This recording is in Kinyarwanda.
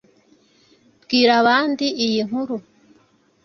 bwira abandi iyi nkuru